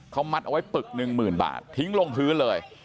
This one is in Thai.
เขามัดเอาไว้ปึกหนึ่งหมื่นบาททิ้งลงพื้นเลย